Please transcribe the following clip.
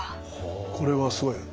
これはすごい。